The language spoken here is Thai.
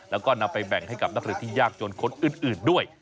แล้วก็นำไปแบ่งให้กับนักเรียนที่ยากจนคนอื่นด้วย